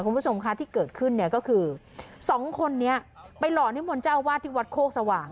คุณผู้ชมคะที่เกิดขึ้นเนี่ยก็คือสองคนนี้ไปหล่อนิมนต์เจ้าวาดที่วัดโคกสว่าง